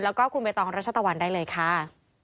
แล้วก็คุณใบตองรัชตะวันได้เลยค่ะ